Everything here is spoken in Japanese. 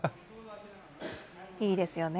いいですよね。